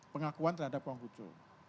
pengakuan terhadap konghucu